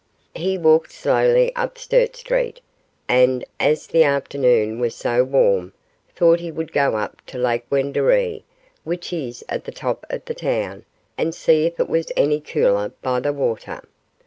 He walked slowly up Sturt Street, and as the afternoon was so warm, thought he would go up to Lake Wendouree, which is at the top of the town, and see if it was any cooler by the water.